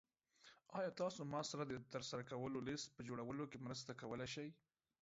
ایا تاسو ما سره د ترسره کولو لیست په جوړولو کې مرسته کولی شئ؟